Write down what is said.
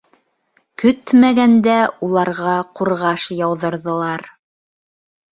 Көтмәгәндә уларға ҡурғаш яуҙырҙылар.